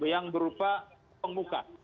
yang berupa pembuka